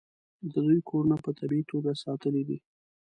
د دوی کورونه په طبیعي توګه ساتلي دي.